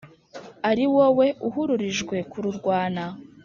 Ari wowe uhururijwe kururwana